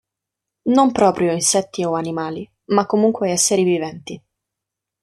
Non proprio insetti o animali, ma comunque esseri viventi.